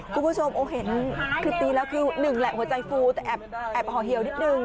คุณผู้ชมโอ้เห็นคือตีแล้วคือหนึ่งแหละหัวใจฟูแต่แอบห่อเหี่ยวนิดนึง